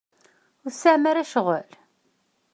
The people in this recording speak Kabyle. Ur tesɛim ara ccɣel?